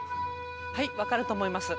はいわかるとおもいます。